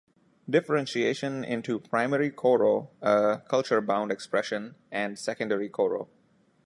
Differentiation into primary koro, a culture-bound expression, and secondary koro.